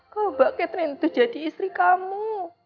kok mbak catherine itu jadi istri kamu